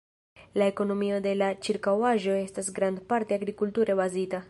La ekonomio de la ĉirkaŭaĵo estas grandparte agrikulture bazita.